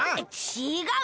ちがう！